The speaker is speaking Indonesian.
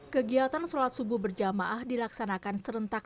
kegiatan sholat subuh berjamaah dilaksanakan serentak